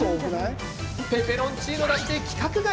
ペペロンチーノだって規格外。